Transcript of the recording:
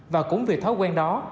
và cũng vì thói quen đó